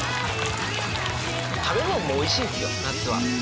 食べ物もおいしいですよ夏は。